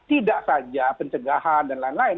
tidak saja pencegahan dan lain lain